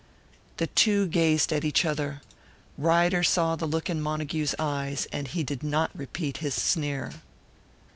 The two gazed at each other. Ryder saw the look in Montague's eyes, and he did not repeat his sneer.